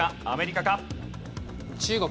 アメリカか？